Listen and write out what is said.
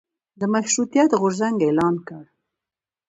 د مشروطیت غورځنګ اعلان کړ.